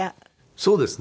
そうですね。